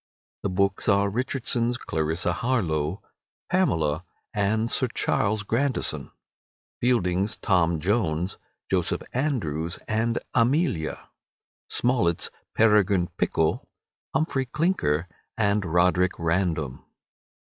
The books are: Richardson's "Clarissa Harlowe," "Pamela," and "Sir Charles Grandison"; Fielding's "Tom Jones", "Joseph Andrews," and "Amelia"; Smollett's "Peregrine Pickle," "Humphrey Clinker," and "Roderick Random."